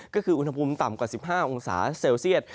ก็คืออุณหภูมิต่ำกว่า๑๕องศาเซลเซียต